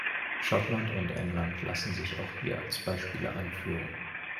Schottland und England lassen sich auch hier als Beispiele anführen.